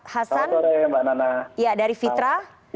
pak misbah hasan dari fitra